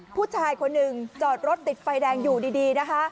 ผู้ชายคนหนึ่งจอดรถติดไฟแดงอยู่ดีนะคะ